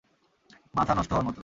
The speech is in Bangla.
মাথা নষ্ট হওয়ার মতো!